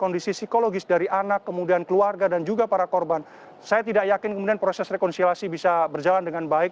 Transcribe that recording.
kondisi psikologis dari anak kemudian keluarga dan juga para korban saya tidak yakin kemudian proses rekonsiliasi bisa berjalan dengan baik